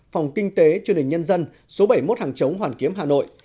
phòng kinh tế chương trình nhân dân số bảy mươi một hàng chống hoàn kiếm hà nội